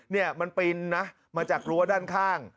เนี่ยมันปีนนะมาจากรั้วด้านข้าง